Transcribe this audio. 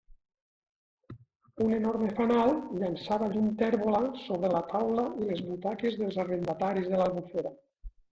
Un enorme fanal llançava llum tèrbola sobre la taula i les butaques dels arrendataris de l'Albufera.